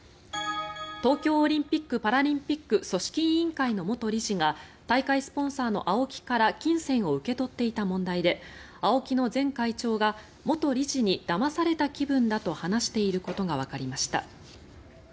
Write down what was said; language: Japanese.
東京オリンピック・パラリンピック組織委員会の元理事が大会スポンサーのＡＯＫＩから金銭を受け取っていた問題でＡＯＫＩの前会長が元理事にだまされた気分だと話していることがわかりました。